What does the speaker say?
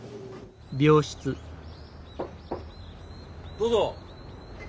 どうぞ。